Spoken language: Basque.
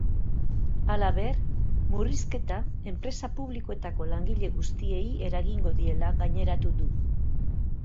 Halaber, murrizketa enpresa publikoetako langile guztiei eragingo diela gaineratu du.